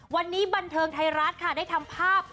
วันนี้บันเทิงไทยรัฐค่ะได้ทำภาพ